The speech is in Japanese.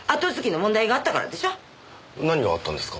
何があったんですか？